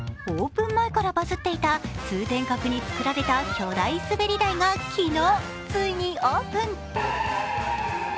オープン前からバズっていた通天閣につくられた巨大滑り台が昨日、ついにオープン。